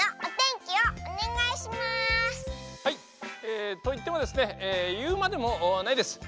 えといってもですねいうまでもないです。